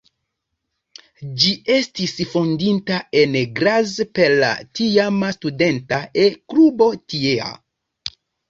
Ĝi estis fondita en Graz per la tiama studenta E-klubo tiea.